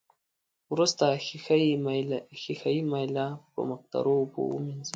وروسته ښيښه یي میله په مقطرو اوبو ومینځئ.